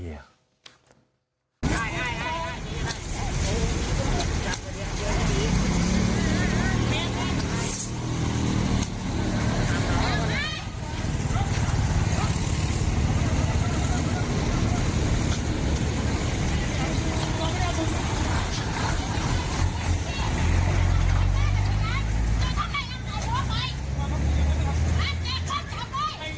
ง่ายง่ายง่ายง่ายง่าย